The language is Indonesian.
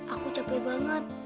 aku capek banget